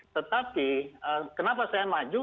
tetapi kenapa saya maju